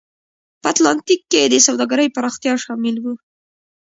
په اتلانتیک کې د سوداګرۍ پراختیا شامل و.